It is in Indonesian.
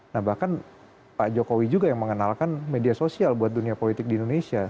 nah bahkan pak jokowi juga yang mengenalkan media sosial buat dunia politik di indonesia